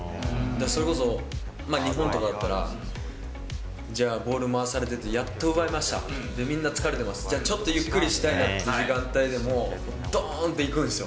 それこそ日本とかだったら、じゃあ、ボール回されてて、やっと奪いました、みんな疲れてます、じゃあちょっとゆっくりしたいなっていう時間帯でも、どーんっていくんですよ。